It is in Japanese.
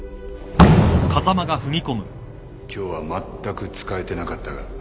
今日はまったく使えてなかったが。